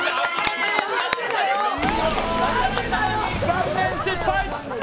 残念、失敗！